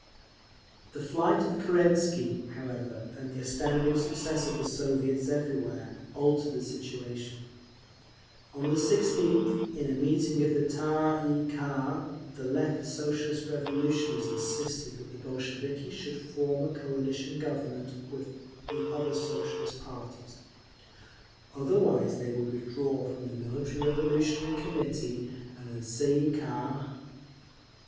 The flight of Kerensky, however, and the astounding success of the Soviets everywhere, altered the situation. On the 16th, in a meeting of the Tsay ee kah, the Left Socialist Revolutionaries insisted that the Bolsheviki should form a coalition Government with the other Socialist parties; otherwise they would withdraw from the Military Revolutionary Committee and the _Tsay ee kah.